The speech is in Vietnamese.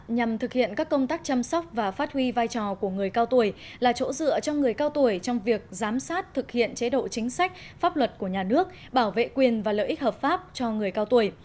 nhằm thực hiện các công tác chăm sóc và phát huy vai trò của người cao tuổi là chỗ dựa cho người cao tuổi trong việc giám sát thực hiện chế độ chính sách pháp luật của nhà nước bảo vệ quyền và lợi ích hợp pháp cho người cao tuổi